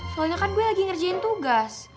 soalnya kan gue lagi ngerjain tugas